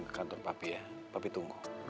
saya tunggu ya dirumah